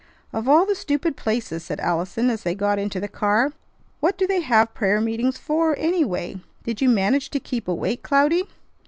"Of all the stupid places!" said Allison as they got into the car. "What do they have prayer meetings for, anyway? Did you manage to keep awake, Cloudy?"